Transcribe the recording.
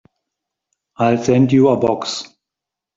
I'll send you a box.